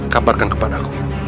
kabarkan kepada aku